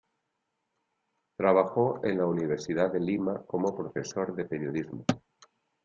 Trabajó en la Universidad de Lima como profesor de Periodismo.